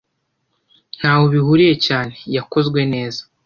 Ntaho bihuriye cyane yakozwe neza